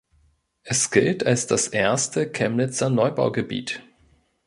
Es gilt als das erste Chemnitzer Neubaugebiet.